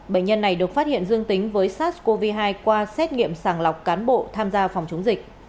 bệnh nhân này được phát hiện dương tính với sars cov hai qua xét nghiệm sàng lọc cán bộ tham gia phòng chống dịch